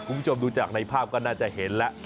คุณผู้ชมดูจากในภาพก็น่าจะเห็นแล้ว